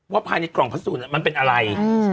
ว่าภายในกล่องพัศูนย์นั้นมันเป็นอะไร